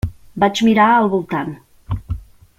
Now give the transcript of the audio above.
Vaig mirar al voltant.